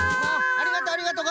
ありがとうありがとう！